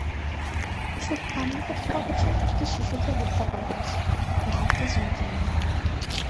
শুধু কান্নাকাটি করার জন্য একটি শিশুকে হত্যা করা হয়েছে, ভাবতেই যেন কেমন লাগে।